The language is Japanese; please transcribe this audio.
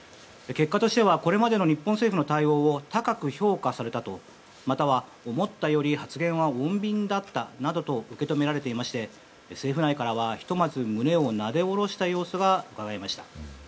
結果としてはこれまでの日本政府の対応を高く評価されたまたは、思ったより発言は穏便だったなどと受け止められていまして政府内からは、ひとまず胸をなでおろした様子がうかがえました。